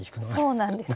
そうなんですね。